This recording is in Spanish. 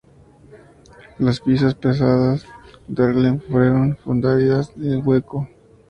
Las piezas pesadas Dahlgren fueron fundidas en hueco.